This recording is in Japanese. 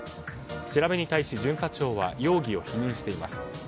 調べに対し巡査長は容疑を否認しています。